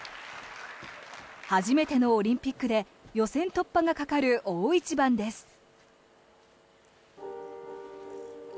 初めてのオリンピックで予選突破がかかる大一番です。